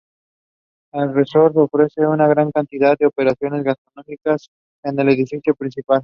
El resort ofrece una gran cantidad de opciones gastronómicas en el edificio principal.